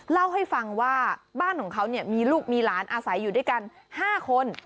เล่าให้ฟังว่าบ้านของเขามีลูกมีหลานอาศัยอยู่ด้วยกัน๕คน